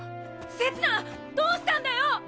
せつなどうしたんだよ！？